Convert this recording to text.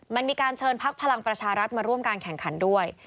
มันมีการเชิญพักพลังประชารัฐมาร่วมการแข่งขันด้วย